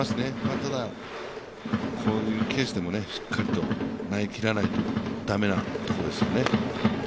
ただ、こういうケースでもしっかりと投げきらないと駄目なところですよね。